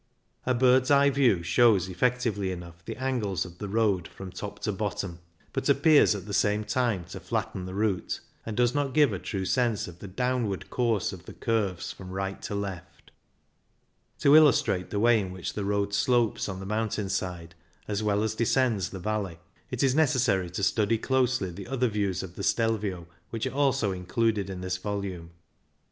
A bird's eye view shows effectively enough the angles of the road from top to bottom, but appears at the same time to flatten the route, and does not give a triie sense of the downward course of the curves from THE STELVIO 25 right to left To illustrate the way in which the road slopes on the mountain side, as well as descends the valley, it is necessary to study closely the other views of the Stelvio which are also included in this volume.